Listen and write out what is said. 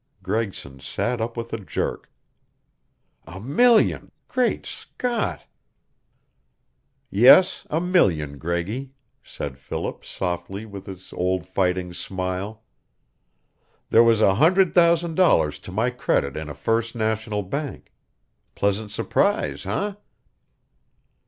'" Gregson sat up with a jerk. "A million! Great Scott " "Yes, a million, Greggy," said Philip, softly, with his old fighting smile. "There was a hundred thousand dollars to my credit in a First National Bank. Pleasant surprise, eh?"